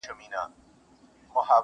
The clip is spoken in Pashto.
ډاکټر عبدالمجید د داود خان په کابينه کي.